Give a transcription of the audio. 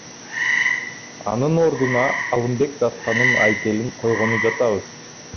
Анын ордуна Алымбек датканын айкелин койгону жатабыз.